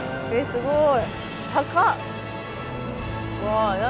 すごい。